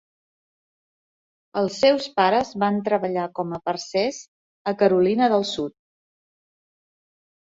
Els seus pares van treballar com a parcers a Carolina del Sud.